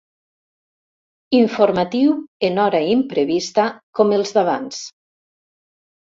Informatiu en hora imprevista, com els d'abans.